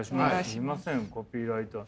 すみませんコピーライター。